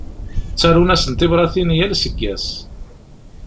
Ttarun-asen tibratin yal aseggas.